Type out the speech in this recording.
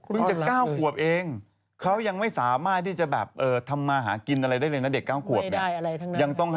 ดูไม่บอกมาเพราะว่าโดนปืนไปสองนัสอะพี่ตรงท้อง